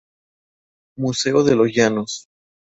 Museo de los Llanos.